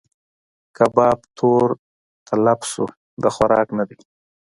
کباب تور تلب شو؛ د خوراک نه دی.